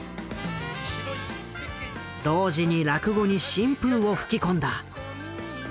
同時に落語に新風を吹き込んだ。